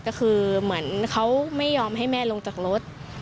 ก็คือเหมือนเขาไม่ยอมให้แม่ลงจากรถ